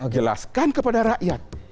jelaskan kepada rakyat